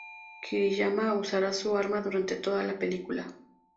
Kiriyama usará su arma durante toda la película.